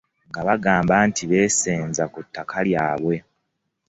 Nga bagamba nti beesenza ku ttaka lyabwe.